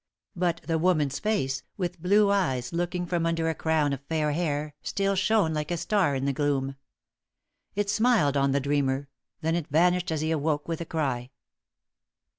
But the woman's face, with blue eyes looking from under a crown of fair hair, still shone like a star in the gloom. It smiled on the dreamer, then it vanished as he awoke with a cry.